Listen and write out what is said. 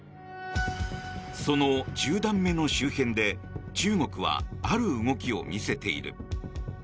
その十段目の周辺で中国はある動きを見せている。